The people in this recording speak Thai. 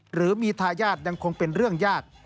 หรือมีทายาทยังคงเป็นเรื่องยาก